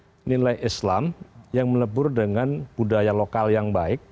ada nilai islam yang melebur dengan budaya lokal yang baik